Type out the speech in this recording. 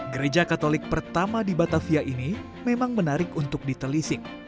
gereja katolik pertama di batavia ini memang menarik untuk ditelisik